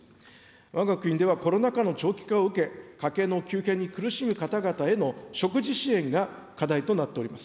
わが国ではコロナ禍の長期化を受け、家計への急変に苦しむ方々への食事支援が課題となっております。